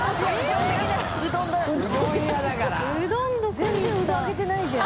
全然うどん上げてないじゃん。